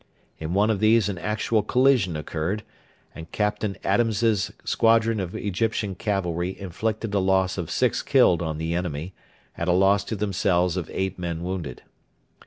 In one of these an actual collision occurred, and Captain Adams's squadron of Egyptian cavalry inflicted a loss of six killed on the enemy at a cost to themselves of eight men wounded.